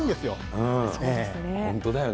本当だよね。